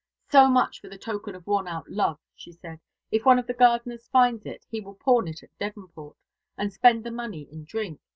"So much for the token of worn out love!" she said. "If one of the gardeners finds it, he will pawn it at Devonport, and spend the money in drink.